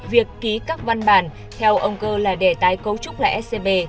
việc ký các văn bản theo ông cơ là để tái cấu trúc lại scb